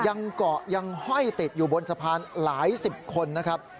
ยังเกาะยังห้อยติดอยู่บนสะพานหลายสิบคนนะครับ